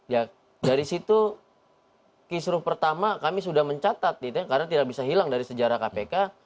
ya dari situ kisruh pertama kami sudah mencatat karena tidak bisa hilang dari sejarah kpk